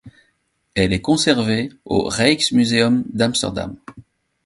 Elle est conservée au Rijksmuseum d'Amsterdam.